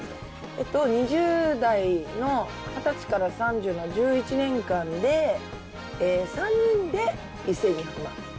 えっと２０代の二十歳から３０の１１年間で３人で１２００万。